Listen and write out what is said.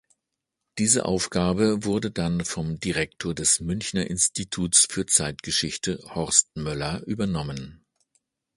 Diese Aufgabe wurde dann vom Direktor des Münchner Instituts für Zeitgeschichte, Horst Möller, übernommen.